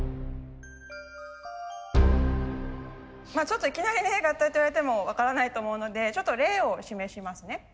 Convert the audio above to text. ちょっといきなりね合体といわれても分からないと思うのでちょっと例を示しますね。